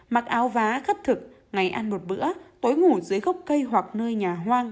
mặc áo vá khất thực ngày ăn một bữa tối ngủ dưới gốc cây hoặc nơi nhà hoang